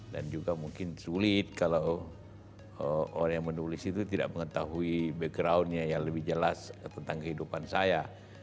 dan juga mungkin sulit kalau orang yang menulis itu tidak mengetahui backgroundnya yang lebih jelas tentang kehidupan saya